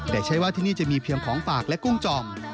แต่ใช้ว่าที่นี่จะมีเพียงของฝากและกุ้งจ่อม